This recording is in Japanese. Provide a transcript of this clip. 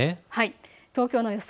東京の予想